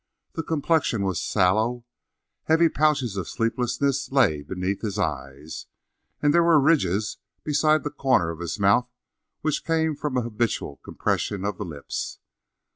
The complexion was sallow, heavy pouches of sleeplessness lay beneath his eyes, and there were ridges beside the corners of his mouth which came from an habitual compression of the lips.